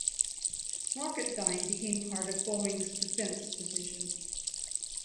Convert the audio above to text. Rocketdyne became part of Boeing's Defense division.